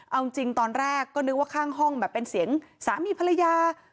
เอาจริงตอนแรกก็นึกว่าข้างห้องแบบเป็นเสียงสามีภรรยา